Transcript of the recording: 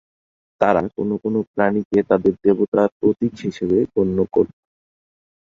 তারা কোনো কোনো প্রাণীকে তাদের দেবতার প্রতীক হিসেবে গণ্য করত।